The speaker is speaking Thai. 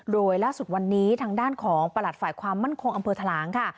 โดยล่าสุดวันนี้ทางด้านของประหลัดฝ่ายความมั่นคงอำเภอทะลางค่ะ